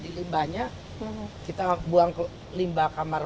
itu ayamnya kejar